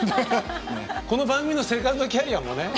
この番組のセカンドキャリアもね。